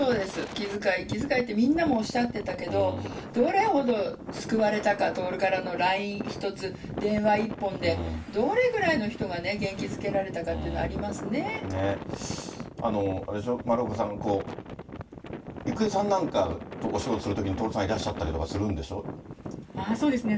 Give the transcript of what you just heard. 気遣い、気遣いってみんなもおっしゃってたけど、どれほど救われたか、徹からのＬＩＮＥ１つ、電話一本で、どれぐらいの人が元気づけられたかっていうのありまあれでしょ、丸岡さん、郁恵さんなんかとお仕事するときに、徹さんいらっしゃりとかするそうですね。